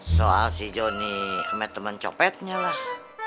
soal si johnny sama temen copetnya lah